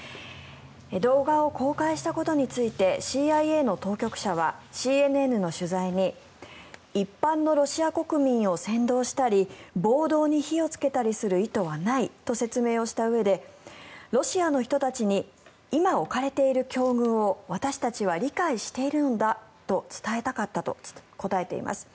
動画を公開したことについてＣＩＡの当局者はＣＮＮの取材に一般のロシア国民を扇動したり暴動に火をつけたりする意図はないと説明をしたうえでロシアの人たちに今置かれている境遇を私たちは理解しているのだと伝えたかったと答えています。